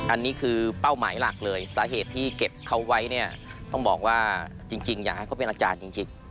อันนี้คือเป้าหมายหลักเลยสาเหตุที่เก็บเขาไว้เนี่ยต้องบอกว่าจริงอยากให้เขาเป็นอาจารย์จริง